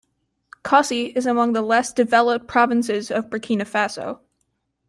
Kossi is among the less developed provinces of Burkina Faso.